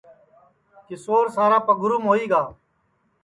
کیشور سارا پگھروم ہوئی گا